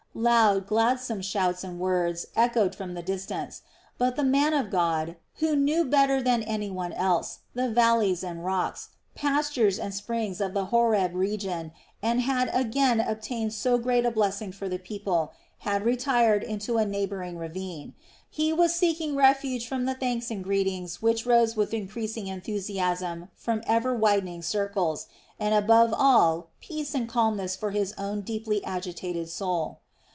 Loud, gladsome shouts and words echoed from the distance; but the man of God, who knew better than any one else, the valleys and rocks, pastures and springs of the Horeb region and had again obtained so great a blessing for the people, had retired into a neighboring ravine; he was seeking refuge from the thanks and greetings which rose with increasing enthusiasm from ever widening circles, and above all peace and calmness for his own deeply agitated soul.